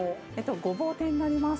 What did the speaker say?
ごぼう天になります。